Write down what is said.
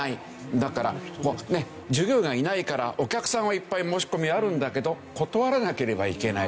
だから従業員がいないからお客さんはいっぱい申し込みあるんだけど断らなければいけない。